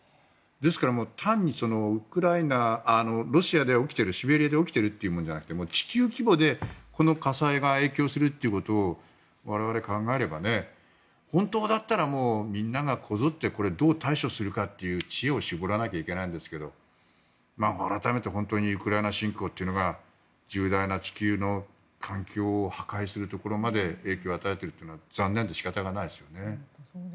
ですから、単にロシアで起きているシベリアで起きているというものじゃなくて地球規模でこの火災が影響するということを我々、考えれば本当だったらみんながこぞってどう対処するかという知恵を絞らないといけないんですが改めて本当にウクライナ侵攻というのが重大な、地球の環境を破壊するところまで影響を与えているのは残念で仕方がないですね。